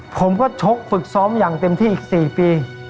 ผมก็ชกฝึกซ้อมอย่างเต็มที่อีก๔ปี